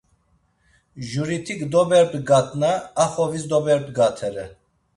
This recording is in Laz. Juritik doberbgatna a xovis doberbgatere.